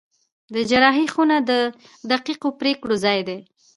د جراحي خونه د دقیقو پرېکړو ځای دی.